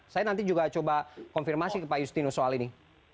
saya nanti juga coba konfirmasi ke pak justinus soal ini